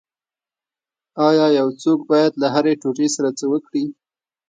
ایا یو څوک باید له هرې ټوټې سره څه وکړي